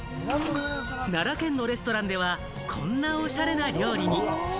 奈良県のレストランではこんなおしゃれな料理に。